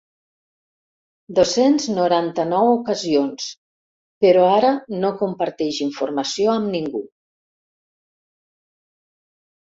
Dos-cents noranta-nou ocasions, però ara no comparteix informació amb ningú.